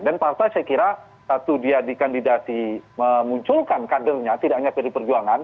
dan partai saya kira satu dia dikandidasi memunculkan kadernya tidak hanya perjuangan